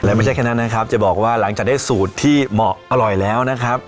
และไม่ใช่แค่นั้นนะครับจะบอกว่าหลังจากได้สูตรที่เหมาะอร่อยแล้วนะครับ